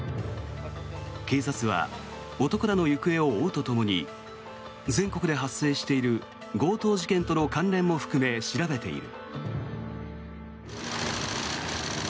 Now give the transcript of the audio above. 警察は男らの行方を追うとともに全国で発生している強盗事件との関連も含め調べている。